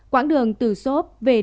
quảng đường từ sốp về đà nẵng